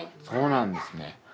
そうなんですね